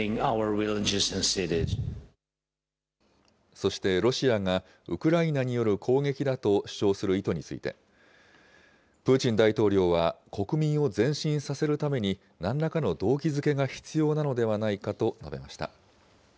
そして、ロシアがウクライナによる攻撃だと主張する意図について、プーチン大統領は国民を前進させるために、なんらかの動機づけが必要なのではないかと述べました。